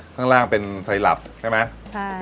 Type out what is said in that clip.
ข้างล่างเป็นไซลับใช่ไหม